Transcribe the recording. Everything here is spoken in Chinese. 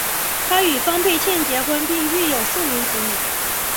他与方佩倩结婚并育有数名子女。